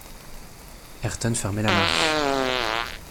Ayrton fermait la marche.